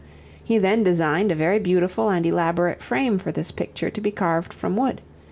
He then designed a very beautiful and elaborate frame for this picture to be carved from wood.